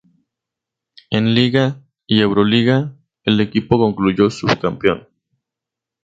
En Liga y Euroliga, el equipo concluyó subcampeón.